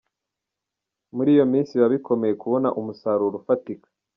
Muri iyo minsi biba bikomeye kubona umusaruro ufatika.